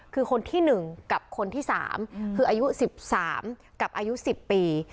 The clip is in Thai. คือคนที่หนึ่งกับคนที่สามคืออายุสิบสามกับอายุสิบปี